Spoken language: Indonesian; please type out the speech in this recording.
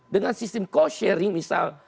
dengan sistem co sharing misal